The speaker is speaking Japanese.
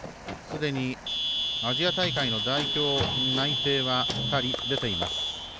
すでにアジア大会の代表内定は２人出ています。